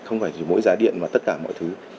không phải chỉ mỗi giá điện mà tất cả mọi thứ